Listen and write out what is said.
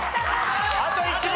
あと１問！